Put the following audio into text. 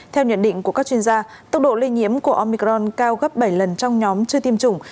theo nhận định của các chuyên gia tốc độ lây nhiễm của omicron cao gấp bảy lần trong nhóm chưa tiêm chủng